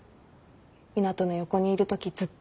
湊斗の横にいるときずっと。